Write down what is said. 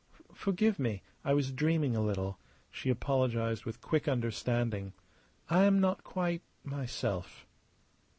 "Forgive me! I was dreaming a little," she apologized with quick understanding. "I am not quite myself."